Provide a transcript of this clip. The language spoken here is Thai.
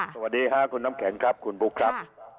สวัสดีค่ะคุณน้ำแข็งครับคุณบุ๊คครับ